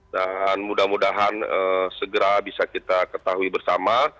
dan mudah mudahan segera bisa kita ketahui bersama